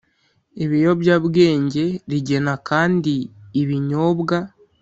ibiyobyabwenge Rigena kandi ibinyobwa